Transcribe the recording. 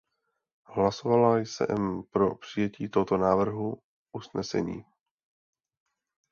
Hlasovala jsem pro přijetí tohoto návrhu usnesení.